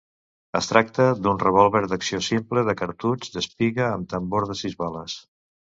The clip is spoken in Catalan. Es tracta d'un revòlver d'acció simple de cartutx d'espiga amb tambor de sis bales.